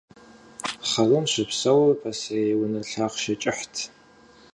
Хьэрун щыпсэур пасэрей унэ лъахъшэ кӀыхьт.